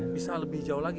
bisa lebih jauh lagi